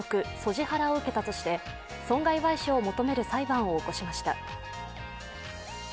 ハラを受けたとして損害賠償を求める裁判を起こしました。